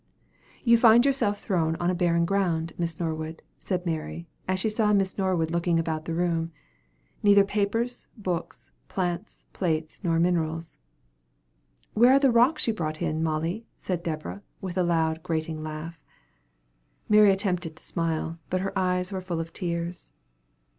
"You find yourself thrown on barren ground, Miss Norwood," said Mary, as she saw Miss Norwood looking around the room; "neither papers, books, plants, plates, nor minerals." "Where are those rocks you brought in, Molly!" said Deborah, with a loud, grating laugh. Mary attempted to smile, but her eyes were full of tears.